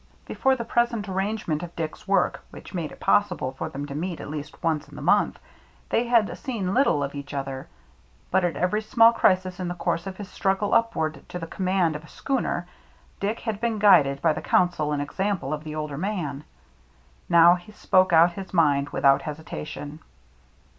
Before the present arrangement of Dick's work, which made it possible for them to meet at least once in the month, they had seen little of each other; but at every small crisis in the course of his struggle upward to the command of a schooner, Dick had been guided by the counsel and example of the older man. Now he spoke out his mind without hesitation.